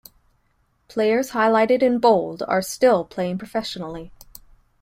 Players highlighted in bold are still playing professionally.